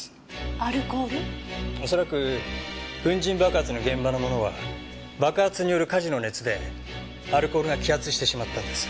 恐らく粉塵爆発の現場のものは爆発による火事の熱でアルコールが揮発してしまったんです。